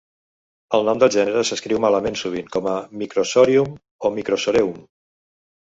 El nom del gènere s'escriu malament sovint com a "Microsorium" o "Microsoreum".